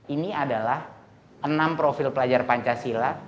ini adalah enam profil pelajar pancasila